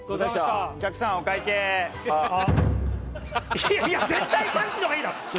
いやいや絶対さっきの方がいいだろ！